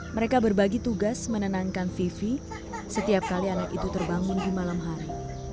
mereka berbagi tugas menenangkan vivi setiap kali anak itu terbangun di malam hari